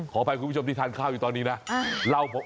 ขออภัยคุณผู้ชมที่ทานข้าวอยู่ตอนนี้นะ